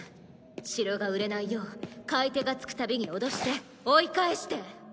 城が売れないよう買い手がつく度に脅して追い返して。